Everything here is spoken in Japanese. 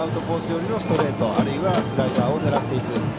寄りのストレートあるいはスライダーを狙っていく。